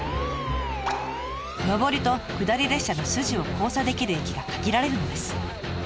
上りと下り列車のスジを交差できる駅が限られるのです。